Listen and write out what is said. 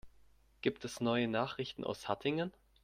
Gibt es neue Nachrichten aus Hattingen?